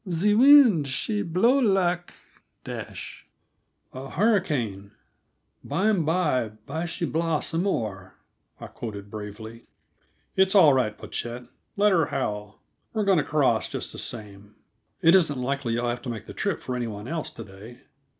"The weend, she blow lak " "'A hurricane; bimeby by she blaw some more,'" I quoted bravely. "It's all right, Pochette; let her howl. We're going to cross, just the same. It isn't likely you'll have to make the trip for any body else to day."